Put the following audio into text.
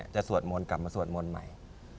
สวดมนต์กลับมาสวดมนต์ใหม่